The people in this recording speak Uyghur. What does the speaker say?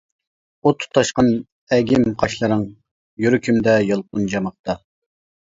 ئوت تۇتاشقان ئەگىم قاشلىرىڭ، يۈرىكىمدە يالقۇنجىماقتا.